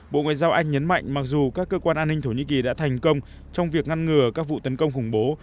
bộ ngoại giao anh nhấn mạnh mặc dù các cơ quan an ninh thổ nhĩ kỳ đã thành công trong việc ngăn ngừa các vụ tấn công khủng bố